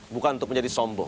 bukan untuk menjadi sombong